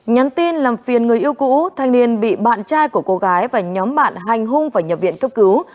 nhắn tin làm phiền người yêu cũ thanh niên bị bạn trai của cô gái và nhóm bạn hành hung và nhập viện cấp cứu